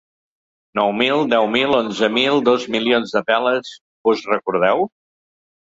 Nou mil, deu mil, onze mil, dos milions de peles, vos recordeu?.